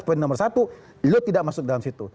poin nomor satu beliau tidak masuk dalam situ